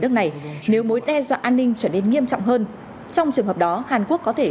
nước này nếu mối đe dọa an ninh trở nên nghiêm trọng hơn trong trường hợp đó hàn quốc có thể